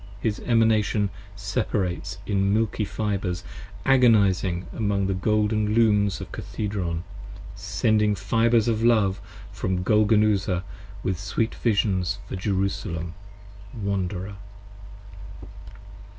His Emanation separates in milky fibres agonizing 40 Among the golden Looms of Cathedron, sending fibres of love From Golgonooza with sweet visions for Jerusalem, wanderer.